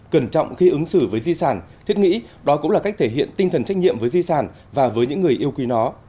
cẩn trọng khi ứng xử với di sản thiết nghĩ đó cũng là cách thể hiện tinh thần trách nhiệm với di sản và với những người yêu quý nó